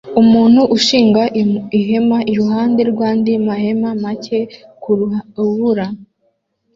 Umuntu ushinga ihema iruhande rwandi mahema make kurubura